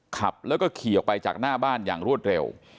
ขับแล้วก็ขี่ออกไปจากหน้าบ้านอย่างรวดเร็ว